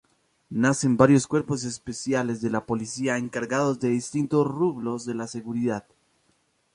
Nacen varios cuerpos especiales de la policía encargados de distintos rubros de la seguridad.